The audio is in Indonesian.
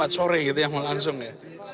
sorry itu yang melangsung ya